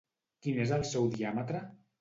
Quin és el seu diàmetre?